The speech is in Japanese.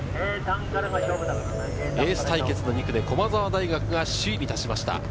エース対決の２区で駒澤大学が首位に立ちました。